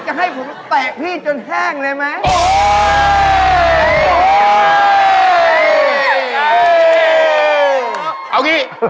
จะให้ผมแตะพี่จนแห้งเลยไหม